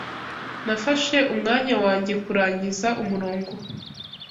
Nafashe umwanya wanjye kurangiza umurongo.